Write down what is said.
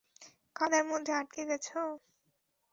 কাঁদার মধ্যে আটকে গেছো?